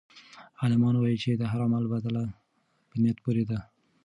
عالمان وایي چې د هر عمل بدله په نیت پورې ده.